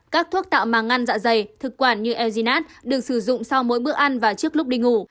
các thuốc tạo màng ngăn dạ dày thực quản như eginet được sử dụng sau mỗi bữa ăn và trước lúc đi ngủ